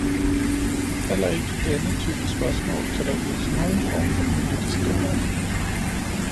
Heller ikke i denne type spørgsmål kan der ydes nogen form for politisk rabat.